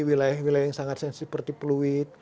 wilayah wilayah yang sangat sensitif seperti pluit